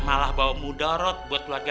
malah bawa muda rot buat keluarga kita